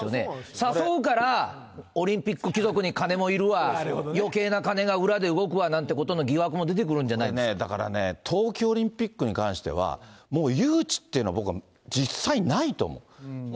誘うからオリンピック貴族に金もいるわ、よけいな金が裏で動くわなんていうことの疑惑も出てくるんじゃなだからね、冬季オリンピックに関しては、もう誘致っていうのは僕は実際ないと思う。